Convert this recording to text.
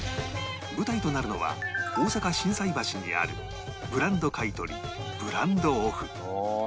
舞台となるのは大阪心斎橋にあるブランド買い取り ＢＲＡＮＤＯＦＦ